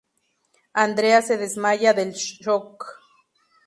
Andrea se desmaya del shock.